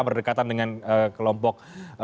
berdekatan dengan kelompok dua ratus dua belas